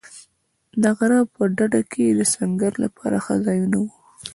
د غره په ډډو کې د سنګر لپاره ښه ځایونه و.